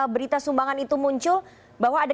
berita sumbangan itu muncul bahwa ada